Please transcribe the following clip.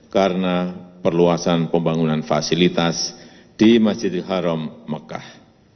dan kemudian diperluasan pembangunan fasilitas di masjidil haram mekah